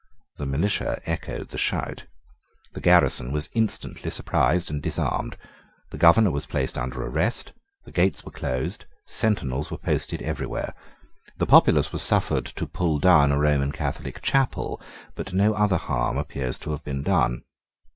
The militia echoed the shout. The garrison was instantly surprised and disarmed. The governor was placed under arrest. The gates were closed. Sentinels were posted everywhere. The populace was suffered to pull down a Roman Catholic chapel; but no other harm appears to have been done.